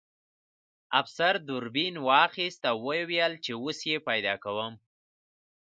افسر دوربین واخیست او ویې ویل چې اوس یې پیدا کوم